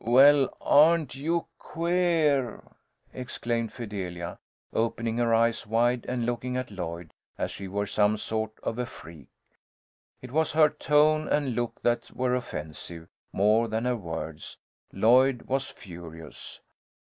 "Well, aren't you queer!" exclaimed Fidelia, opening her eyes wide and looking at Lloyd as if she were some sort of a freak. It was her tone and look that were offensive, more than her words. Lloyd was furious.